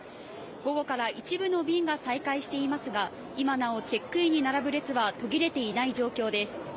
午後から一部の便が再開していますが、今なおチェックインに並ぶ列は途切れていない状況です。